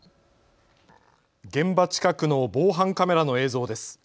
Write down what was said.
現場近くの防犯カメラの映像です。